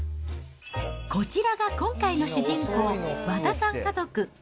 こちらが今回の主人公、和田さん家族。